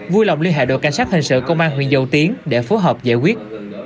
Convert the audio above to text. vui lòng liên hệ đội cảnh sát hình sự công an huyện dầu tiến để phối hợp giải quyết